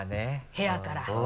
部屋から。